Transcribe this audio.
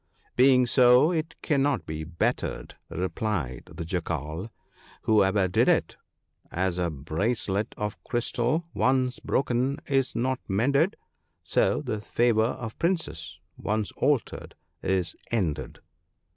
' Being so, it cannot be bettered/ replied the Jackal, * whoever did it, — "As a bracelet of crystal, once broke, is not mended ; So the favour of princes, once altered, is ended."